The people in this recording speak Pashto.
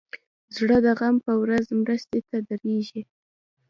زړه د غم په ورځ مرستې ته دریږي.